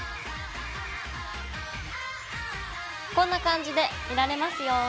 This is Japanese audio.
こんな感じで見られますよ。